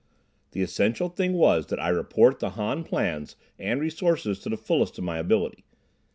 The essential thing was that I report the Han plans and resources to the fullest of my ability.